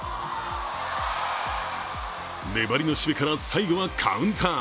粘りの守備から最後はカウンター。